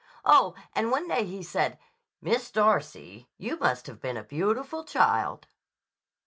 Oh, and one day he said: 'Miss Darcy, you must have been a beautiful child.